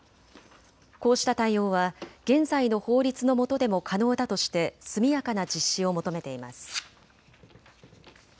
こうした対応は現在の法律のもとでも可能だとして速やかな実施を求めています。